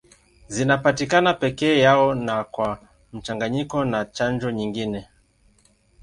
Zinapatikana peke yao na kwa mchanganyiko na chanjo nyingine.